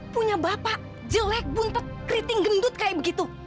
punya bapak jelek buntut keriting gendut kayak begitu